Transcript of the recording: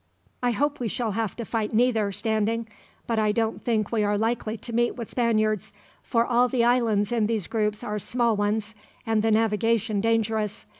"I hope we shall have to fight neither, Standing; but I don't think we are likely to meet with Spaniards for all the islands in these groups are small ones, and the navigation dangerous.